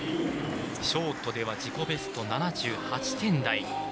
ショートでは自己ベスト７８点台。